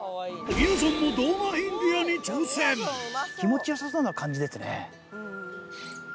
みやぞんもドーマインディアに挑戦気持ち良さそうな感じですね。